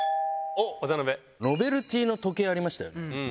ピンポンノベルティーの時計ありましたよね。